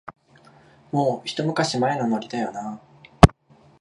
もう、ひと昔前のノリだよなあ